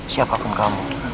siap akun kamu